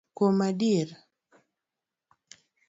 Kuom adier